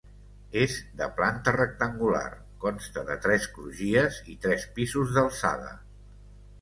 És de planta rectangular, consta de tres crugies i tres pisos d'alçada.